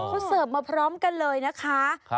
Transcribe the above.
เขาเสิร์ฟมาพร้อมกันเลยนะคะ